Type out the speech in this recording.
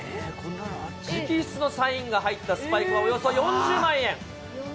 直筆のサインが入ったスパイクはおよそ４０万円。